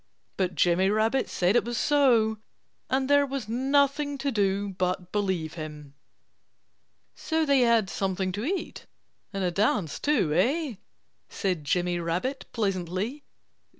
But Jimmy Rabbit said it was so. And there was nothing to do but believe him. "So they had something to eat and a dance too, eh?" said Jimmy Rabbit pleasantly.